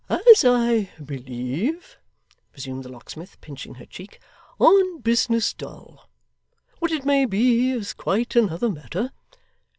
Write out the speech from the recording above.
'As I believe,' resumed the locksmith, pinching her cheek, 'on business, Doll. What it may be, is quite another matter.